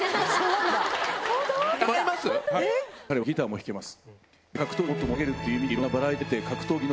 彼はギターも弾けます。